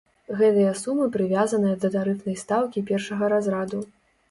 Гэтыя сумы прывязаныя да тарыфнай стаўкі першага разраду.